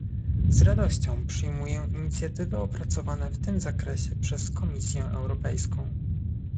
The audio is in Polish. Z radością przyjmuję inicjatywy opracowane w tym zakresie przez Komisję Europejską